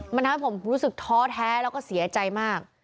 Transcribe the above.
มันทำให้ผมรู้สึกท้อแท้แล้วก็เสียใจมาก